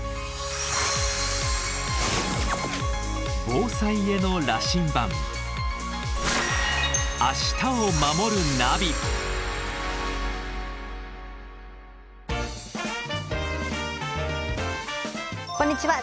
防災への羅針盤こんにちは。